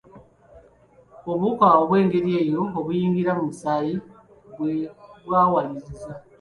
Obuwuka obw’engeri eyo obuyingira mu musaayi bwe bwawaliriza.